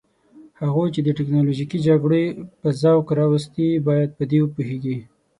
هغوی چې د تکنالوژیکي جګړو په ذوق راوستي باید په دې وپوهیږي.